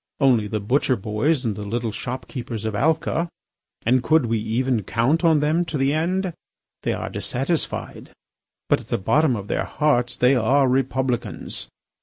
Only the butcher boys and the little shopkeepers of Alca. And could we even count on them to the end? They are dissatisfied, but at the bottom of their hearts they are Republicans.